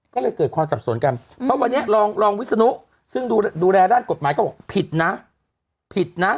ก็เลยเกิดความสับสนกันเพราะวันนี้รองรองวิศนุซึ่งดูแลด้านกฎหมายก็บอกผิดนะผิดนะ